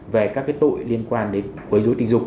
về các tội liên quan đến quấy dối tình dục